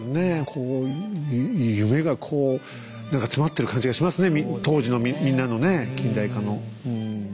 こう夢がこう何かつまってる感じがしますね当時のみんなのね近代化のうん。